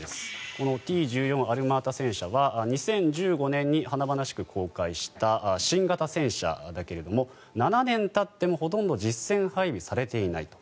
このＴ１４アルマータ戦車は２０１５年に華々しく公開した新型戦車だけれども７年たってもほとんど実戦配備されていないと。